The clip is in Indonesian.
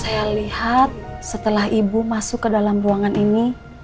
saya lihat setelah ibu masuk ke dalam ruangan ini